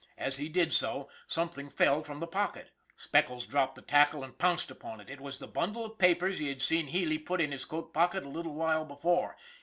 As he did so, something fell from the pocket. Speckles dropped the tackle and pounced upon it. It was the bundle of papers he had seen Healy put in his coat pocket a little while before.